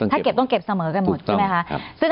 ถ้าเก็บต้องเก็บเสมอกันหมดใช่ไหมคะ